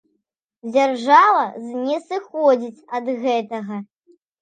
Дзяржава ж не сыходзіць ад гэтага.